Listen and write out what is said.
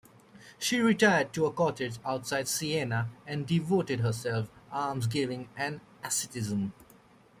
She retired to a cottage outside Siena and devoted herself to almsgiving and asceticism.